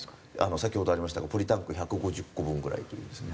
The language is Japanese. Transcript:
先ほどありましたがポリタンク１５０個分ぐらいというですね。